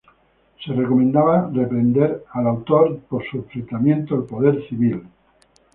Se recomendaba reprender al autor por su enfrentamiento al poder civil.